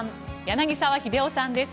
柳澤秀夫さんです。